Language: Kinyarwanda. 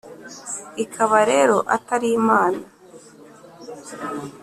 ikaba rero atari Imana.